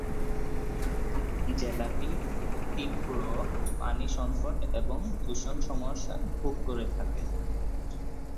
জেলাটি তীব্র পানি সংকট এবং দূষণ সমস্যা ভোগ করে থাকে।